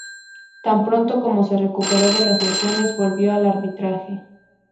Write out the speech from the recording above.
Tan pronto como se recuperó de las lesiones, volvió al arbitraje.